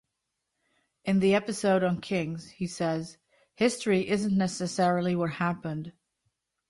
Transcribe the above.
In the episode on kings, he says, History isn't necessarily what happened.